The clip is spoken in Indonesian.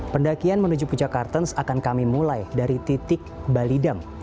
pendakian menuju puncak kartens akan kami mulai dari titik balidang